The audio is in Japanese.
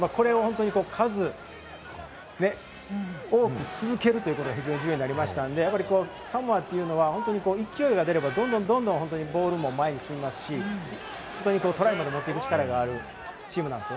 数多く続けるということが非常に重要になりましたので、サモアというのは勢いが出れば、どんどんどんどんボールも前に来ますし、トライまで持っていく力があるチームなんです。